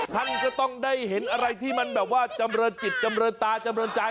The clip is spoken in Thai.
ท่านก็ต้องได้เห็นอะไรที่มันแบบว่าจำเรินจิตจำเรินตาจำเรินใจ